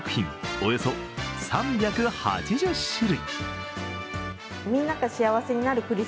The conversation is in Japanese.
およそ３８０種類。